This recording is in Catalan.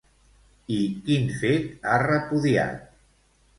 I quin fet ha repudiat?